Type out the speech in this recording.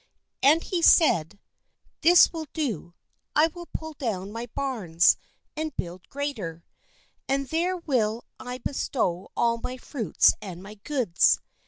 '* And he said : "This will I do: I will pull down my barns, and build greater; and there will I bestow all my fruits and my goods.